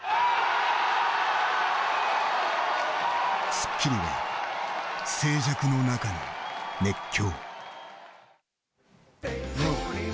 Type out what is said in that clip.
『スッキリ』は静寂の中の熱狂。